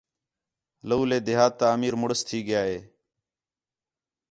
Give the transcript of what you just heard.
لَولے دیہات تا امیر مُݨس تھی ڳِیا ہِے